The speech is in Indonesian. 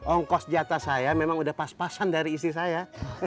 ongkos jata saya memang udah pas pasan dari istri saya